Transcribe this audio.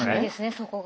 そこが。